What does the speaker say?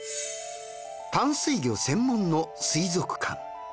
淡水魚専門の水族館。